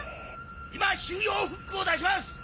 今収容フックを出します！